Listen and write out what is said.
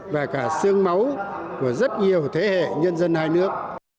và cả xương máu của rất nhiều thế hệ nhân dân hai nước